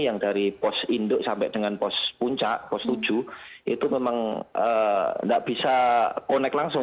yang dari pos induk sampai dengan pos puncak pos tujuh itu memang tidak bisa connect langsung